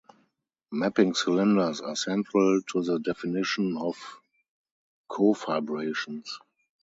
Mapping cylinders are central to the definition of cofibrations.